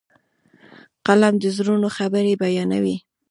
قلم د زړونو خبرې بیانوي.